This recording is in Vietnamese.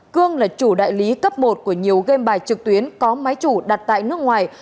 cương là chủ đại lý cấp một của nhiều game bài trực tuyến có máy chủ đặt tại nước ngoài